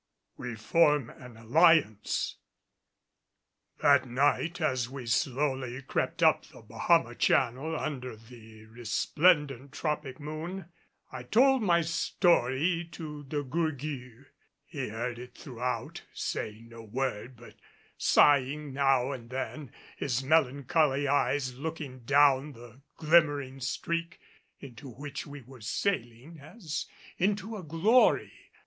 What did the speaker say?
WE FORM AN ALLIANCE. That night as we slowly crept up the Bahama Channel under the resplendent tropic moon, I told my story to De Gourgues. He heard it throughout, saying no word but sighing now and then, his melancholy eyes looking down the glimmering streak, into which we were sailing as into a glory.